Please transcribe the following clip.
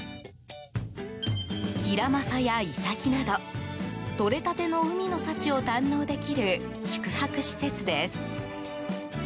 ヒラマサやイサキなどとれたての海の幸を堪能できる宿泊施設です。